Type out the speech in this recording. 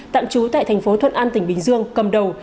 tạm trú tại thành phố thuận an tỉnh bình dương cầm đầu